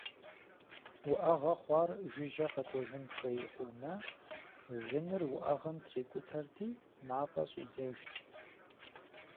Уӏэгъэ хъуар жыжьэ къэкӏуэжын хуей хъумэ, гыныр уӏэгъэм трикӏутэрти мафӏэ щӏидзэжт.